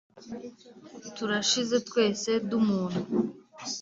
turashize twese d Umuntu